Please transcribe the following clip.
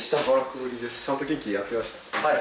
はい。